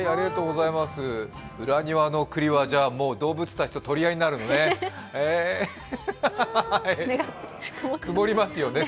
裏庭のくりは動物たちと取り合いになるのね。